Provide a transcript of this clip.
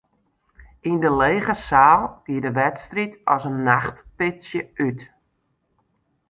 Yn de lege seal gie de wedstriid as in nachtpitsje út.